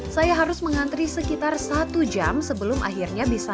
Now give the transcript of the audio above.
saya harus mengantri sekitar satu jam sebelum akhirnya bisa